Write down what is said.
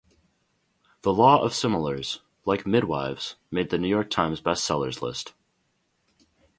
"The Law of Similars", like "Midwives", made the "New York Times" bestsellers list.